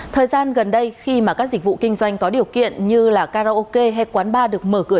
thời gian gần đây khi mà các dịch vụ kinh doanh có điều kiện như là karaoke hay quán bar được mở cửa